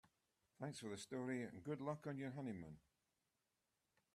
Thanks for the story and good luck on your honeymoon.